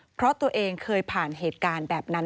เพราะตัวเองเคยผ่านเหตุการณ์แบบนั้น